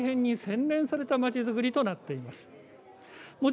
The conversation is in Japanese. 洗練されたまちづくりとなっています。